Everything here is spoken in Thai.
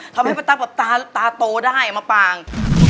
ทำให้ป้าตั๊กแบบตาโตได้มาปาง